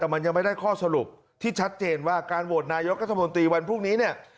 แต่มันยังไม่ได้ข้อสรุปที่ชัดเจนว่าการโหวตนายกรัฐมนตรีวันพรุ่งนี้เนี่ย